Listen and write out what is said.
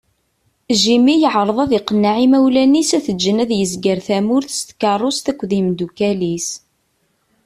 Jimmy yeɛreḍ ad iqenneɛ imawlan-is ad t-ǧǧen ad yezger tamurt s tkeṛṛust akked imdukal-is.